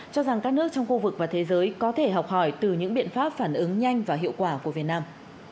cho rằng các nước trong khu vực và thế giới có thể học hỏi từ những biện pháp phản ứng nhanh và hiệu quả của việt nam